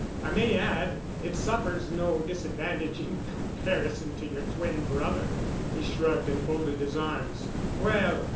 I may add, it suffers no disadvantage in comparison to yer twin brother." He shrugged and folded his arms. "Well.